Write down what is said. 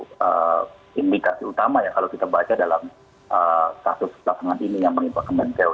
ini satu indikasi utama ya kalau kita baca dalam status pelaksanaan ini yang menimpa kemengeo